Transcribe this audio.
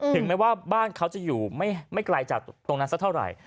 ถึงแม้ว่าบ้านเขาจะอยู่ไม่ไกลจากตรงนั้นสักเท่าไหร่